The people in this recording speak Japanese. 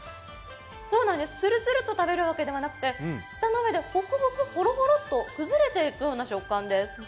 つるつるっと食べるわけではなくて舌の上でほくほく、ほろほろと崩れていくような食感です。